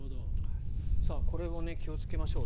これも気をつけましょう。